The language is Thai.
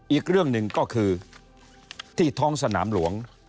อีกเรื่องหนึ่งก็คือที่ท้องสนามหลวง